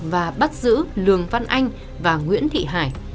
và bắt giữ lường văn anh và nguyễn thị hải